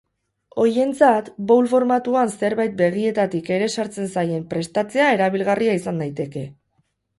Horientzat bowl formatuan zerbait begietatik ere sartzen zaien prestatzea erabilgarria izan daiteke.